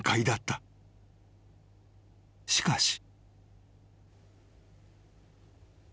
［しかし］